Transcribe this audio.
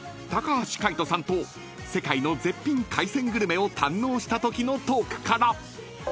橋海人さんと世界の絶品海鮮グルメを堪能したときのトークから］